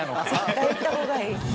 絶対行った方がいい。